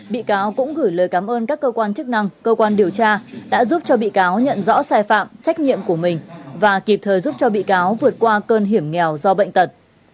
bị cáo cũng gửi lời cảm ơn các cơ quan chức năng cơ quan điều tra đã giúp cho bị cáo nhận rõ sai phạm trách nhiệm của mình và kịp thời giúp cho bị cáo vượt qua cơn hiểm nghèo do bệnh tật